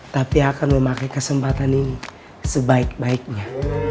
tapi akan memakai kesempatan yang sebaik baiknya